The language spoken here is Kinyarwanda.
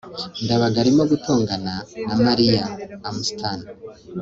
ndabaga arimo gutongana na mariya. (amastan